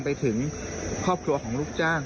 ไปถึงครอบครัวของลูกจ้าง